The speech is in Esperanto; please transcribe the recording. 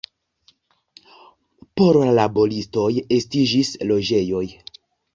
Por la laboristoj estiĝis loĝejoj.